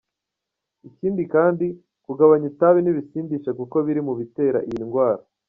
Ikindi hari kugabanya itabi n’ibisindisha kuko biri mu bitera iyi ndwara.